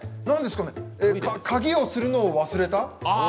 鍵をするのを忘れた？